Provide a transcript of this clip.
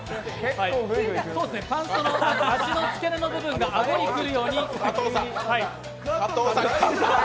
パンストの付け根の部分が顎の所にくるように。